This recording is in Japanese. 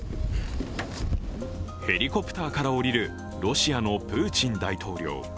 ヘリコプターから降りるロシアのプーチン大統領。